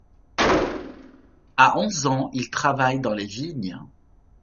À onze ans, il travaille dans les vignes.